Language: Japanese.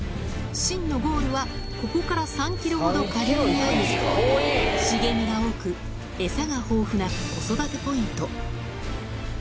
真のゴールはここから３キロほど下流にある、茂みが多く、餌が豊富な子育てポイント。